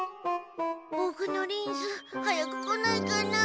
ボクのリンス早く来ないかな。